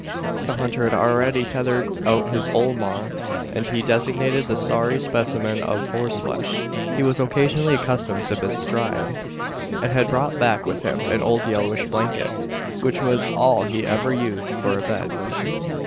The hunter had already tethered out his "ole maar" as he designated the sorry specimen of horseflesh he was occasionally accustomed to bestride and had brought back with him an old yellowish blanket, which was all he ever used for a bed.